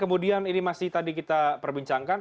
kemudian ini masih tadi kita perbincangkan